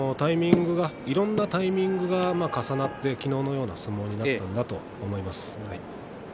いろいろなタイミングが重なって昨日のような相撲になったんだと思います。